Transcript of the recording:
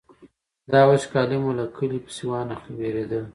دا وچکالي مو له کلي پسې وانخلي وېرېدل.